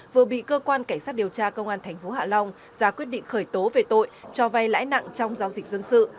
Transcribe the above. vừa bị cơ quan cảnh sát điều tra công an tp hạ long ra quyết định khởi tố về tội cho vay lãi nặng trong giao dịch dân sự